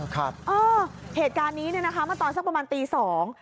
ครับเออเหตุการณ์นี้เนี่ยนะคะเมื่อตอนสักประมาณตีสอง